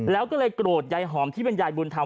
แล้วก็เลยโกรธยายหอมที่เป็นยายบุญธรรม